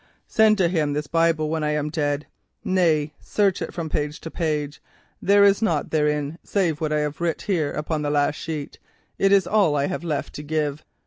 Send to him this Bible when I am dead. Nay, search it from page to page. There is nought therein save what I have writ here upon this last sheet. It is all I have left to give.